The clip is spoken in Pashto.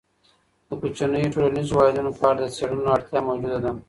د کوچنیو ټولنیزو واحدونو په اړه د څیړنو اړتیا موجوده ده.